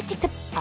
あ！